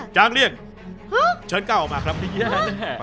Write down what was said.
จางเลี่ยงเชิญก้าวออกมาครับ